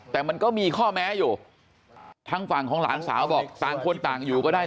แต่มันก็มีข้อแม้อยู่ทางฝั่งของหลานสาวบอกต่างคนต่างอยู่ก็ได้